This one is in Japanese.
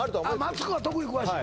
マツコは特に詳しい